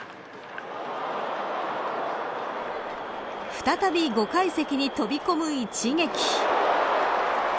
再び５階席に飛び込む一撃。